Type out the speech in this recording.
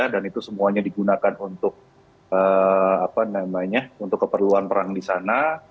dan itu semuanya digunakan untuk keperluan perang di sana